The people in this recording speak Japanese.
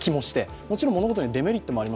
もちろん物事にはデメリットもあります。